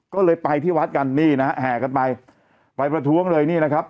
ก็เลยไปที่วัดกันนี่นะฮะแห่กันไปไปประท้วงเลยนี่นะครับ